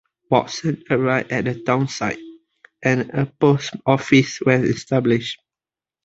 Watson arrived at the town site, and a post office was established.